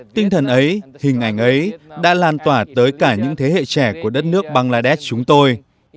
tinh thần ấy hình ảnh ấy đã lan tỏa tới cả những thế hệ trẻ của đất nước bangladesh chúng tôi